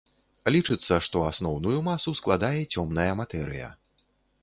Лічыцца, што асноўную масу складае цёмная матэрыя.